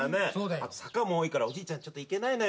あと坂も多いからおじいちゃん行けないのよ。